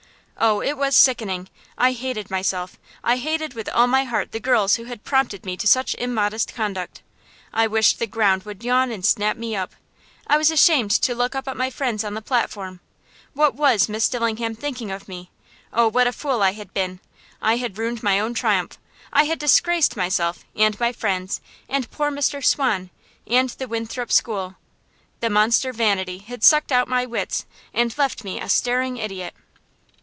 Oh, it was sickening! I hated myself, I hated with all my heart the girls who had prompted me to such immodest conduct. I wished the ground would yawn and snap me up. I was ashamed to look up at my friends on the platform. What was Miss Dillingham thinking of me? Oh, what a fool I had been! I had ruined my own triumph. I had disgraced myself, and my friends, and poor Mr. Swan, and the Winthrop School. The monster vanity had sucked out my wits, and left me a staring idiot.